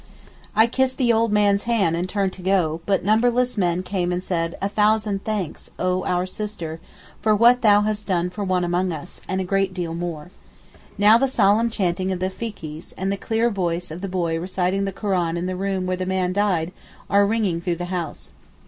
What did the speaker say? I kissed the old man's hand and turned to go, but numberless men came and said 'A thousand thanks, O our sister, for what thou hast done for one among us,' and a great deal more. Now the solemn chanting of the Fikees, and the clear voice of the boy reciting the Koran in the room where the man died are ringing through the house.